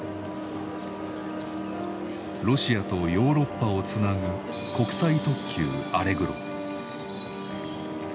ロシアとヨーロッパをつなぐ国際特急アレグロ。